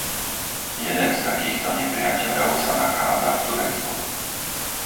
Jeden z takýchto nepriateľov sa nachádza v Turecku.